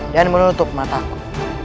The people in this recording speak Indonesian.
dan menutup mataku